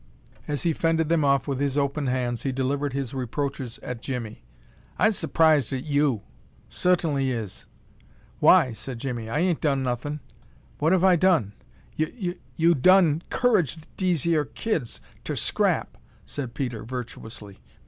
As he fended them off with his open hands he delivered his reproaches at Jimmie. "I's s'prised at you! I suhtainly is!" "Why?" said Jimmie. "I 'ain't done nothin'. What have I done?" "Y y you done 'courage dese yere kids ter scrap," said Peter, virtuously.